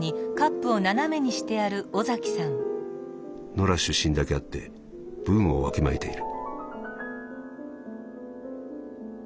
「ノラ出身だけあって分をわきまえている」。